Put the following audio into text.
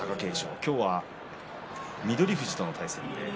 今日は翠富士との対戦です。